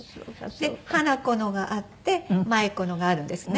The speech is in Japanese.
で花子のがあって舞子のがあるんですね。